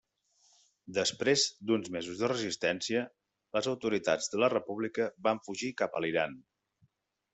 Després d'uns mesos de resistència les autoritats de la República van fugir cap a l'Iran.